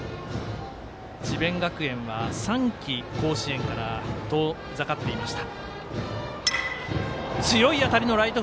智弁学園は３季、甲子園から遠ざかっていました。